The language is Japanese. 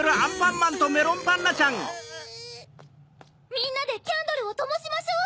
みんなでキャンドルをともしましょう！